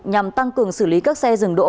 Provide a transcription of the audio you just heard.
nhằm tăng cường xử lý các xe dừng đỗ